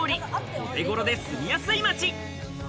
お手頃で住みやすい街。